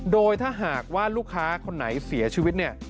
โดยถ้าหากว่าลูกค้าคนไหนเสียชีวิตเนี่ย